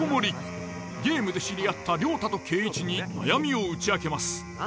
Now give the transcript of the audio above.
ゲームで知り合った亮太と恵一に悩みを打ち明けます。